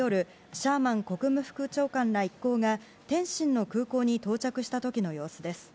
シャーマン国務副長官ら一行が天津の空港に到着した時の様子です。